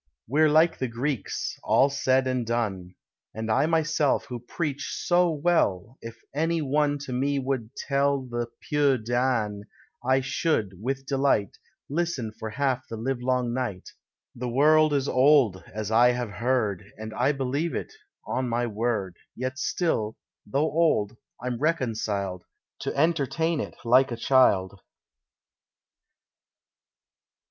We're like the Greeks, all said and done. And I myself, who preach so well, If any one to me would tell "Le Peau d'Ane," I should, with delight, Listen for half the livelong night. The world is old, as I have heard, And I believe it, on my word; Yet still, though old, I'm reconciled To entertain it like a child.